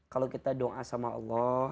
kalau kita doa sama allah